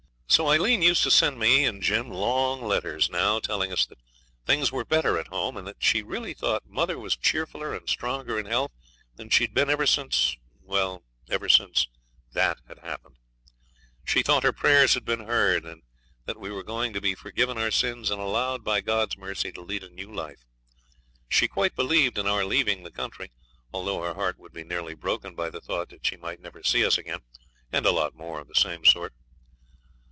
So Aileen used to send me and Jim long letters now, telling us that things were better at home, and that she really thought mother was cheerfuller and stronger in health than she'd been ever since well, ever since that had happened. She thought her prayers had been heard, and that we were going to be forgiven for our sins and allowed, by God's mercy, to lead a new life. She quite believed in our leaving the country, although her heart would be nearly broken by the thought that she might never see us again, and a lot more of the same sort.